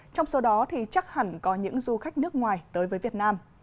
trong số đó thì chắc hẳn có những du khách nước ngoài tới với việt nam